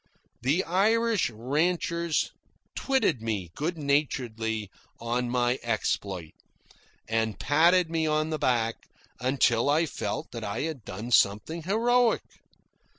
The Irish ranchers twitted me good naturedly on my exploit, and patted me on the back until I felt that I had done something heroic.